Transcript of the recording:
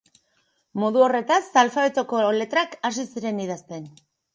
Modu horretaz alfabetoko letrak hasi zen idazten.